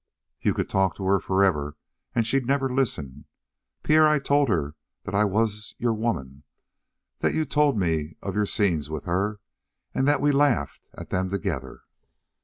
"You could talk to her forever and she'd never listen. Pierre, I told her that I was your woman that you'd told me of your scenes with her and that we'd laughed at them together."